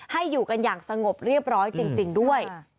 อยู่กันอย่างสงบเรียบร้อยจริงด้วย